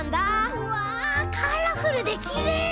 うわカラフルできれい！